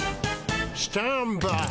スタンバイ！